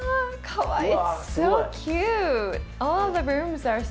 かわいい。